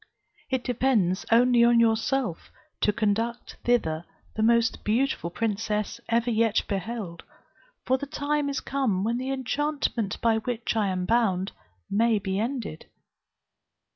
It depends only on yourself to conduct thither the most beautiful princess ever yet beheld, for the time is come when the enchantment by which I am bound may be ended.